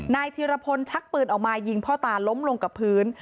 ธีรพลชักปืนออกมายิงพ่อตาล้มลงกับพื้น